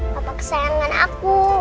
papa kesayangan aku